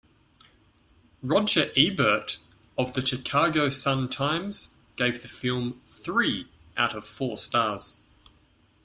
Roger Ebert of the "Chicago Sun-Times" gave the film three out of four stars.